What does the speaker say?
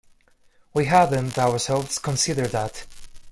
We hadn't, ourselves, considered that.